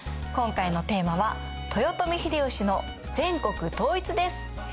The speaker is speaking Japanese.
今回のテーマは「豊臣秀吉の全国統一」です。